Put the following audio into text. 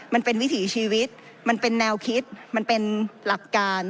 มันเป็นวิถีชีวิตมันเป็นแนวคิดมันเป็นหลักการ